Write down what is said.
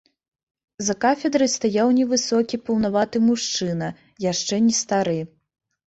За кафедрай стаяў невысокі паўнаваты мужчына, яшчэ не стары.